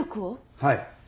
はい。